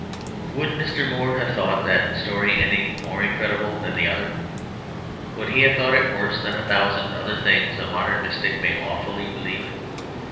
Would Mr. Moore have thought that story any more incredible than the other? Would he have thought it worse than a thousand other things that a modern mystic may lawfully believe?